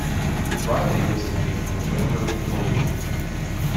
Riley was the name of a railroad employee.